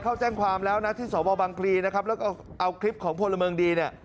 เข้าแจ้งความแล้วนะที่สวบังพลีนะครับแล้วก็เอาคลิปของพลเมืองดีเนี่ย